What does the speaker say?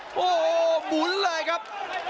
โอ้โหหมุนเลยครับ